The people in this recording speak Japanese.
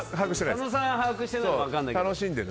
佐野さんは把握してないから分からない。